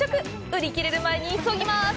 売り切れる前に急ぎます！